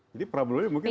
jadi problemnya mungkin